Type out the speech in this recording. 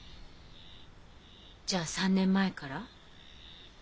じゃあ３年前から？